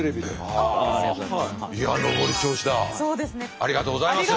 ありがとうございます。